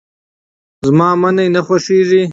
زما منی نه خوښيږي.